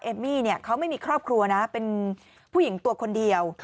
มี่เขาไม่มีครอบครัวนะเป็นผู้หญิงตัวคนเดียว